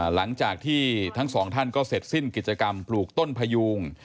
หลังจากที่ทั้งสองท่านก็เสร็จสิ้นกิจกรรมปลูกต้นพยูง